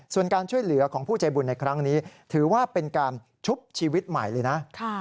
ส่วนการช่วยเหลือของผู้ใจบุญในครั้งนี้ถือว่าเป็นการชุบชีวิตใหม่เลยนะ